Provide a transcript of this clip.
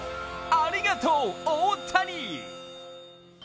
ありがとう、大谷！